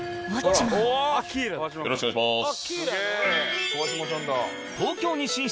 よろしくお願いします。